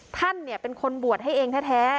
ท่านเป็นคนบวชให้เองแท้